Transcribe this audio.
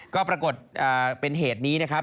ทั้งหมดเป็นเหตุนี้นะครับ